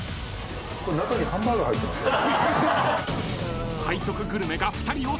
これ中にハンバーガー入ってません？